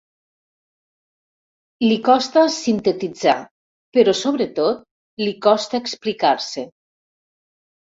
Li costa sintetitzar, però sobretot li costa explicar-se.